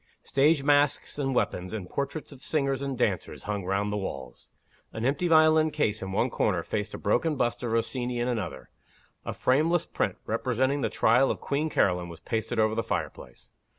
Stage masks and weapons, and portraits of singers and dancers, hung round the walls. An empty violin case in one corner faced a broken bust of Rossini in another. A frameless print, representing the Trial of Queen Caroline, was pasted over the fireplace.